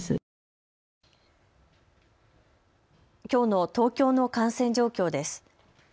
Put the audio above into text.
きょうの東京の感染状況です。